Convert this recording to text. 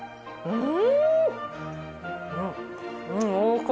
うん。